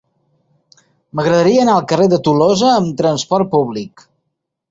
M'agradaria anar al carrer de Tolosa amb trasport públic.